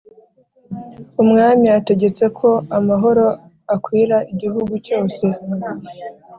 umwami ategetse ko amahoro akwira igihugu cyose.